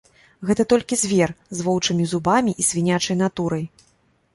Гэта толькі звер з воўчымі зубамі і свінячай натурай.